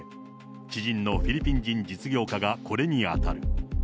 知人のフィリピン人実業家がこれに当たる。